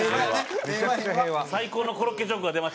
最高のコロッケジョークが出ましたね。